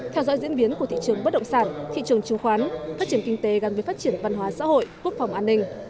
theo dõi diễn biến của thị trường bất động sản thị trường chứng khoán phát triển kinh tế gắn với phát triển văn hóa xã hội quốc phòng an ninh